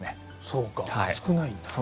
そうか、少ないんだ。